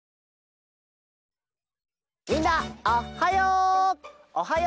みんなおっはよ！